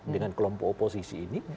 dengan kelompok oposisi ini